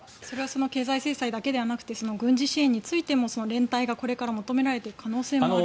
それは経済制裁だけでなくて軍事支援も連帯がこれから求められていく可能性は。